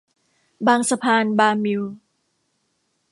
บางสะพานบาร์มิล